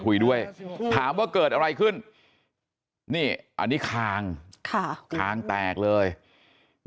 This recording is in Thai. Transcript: คุยด้วยถามว่าเกิดอะไรขึ้นนี่อันนี้คางค่ะคางแตกเลย